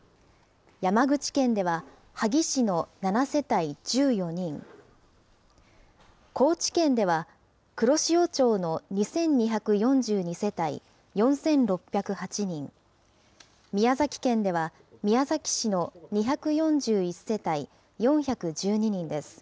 山口県では、萩市の７世帯１４人、高知県では黒潮町の２２４２世帯４６０８人、宮崎県では宮崎市の２４１世帯４１２人です。